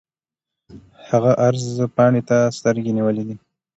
هغه عرض پاڼې ته سترګې نیولې دي.